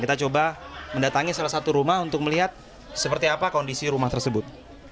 kita coba mendatangi salah satu rumah untuk melihat seperti apa kondisi rumah tersebut